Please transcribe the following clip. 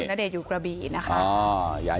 ณเดชนอยู่กระบี่นะคะ